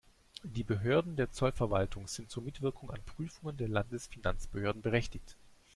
Die Behörden der Zollverwaltung sind zur Mitwirkung an Prüfungen der Landesfinanzbehörden berechtigt.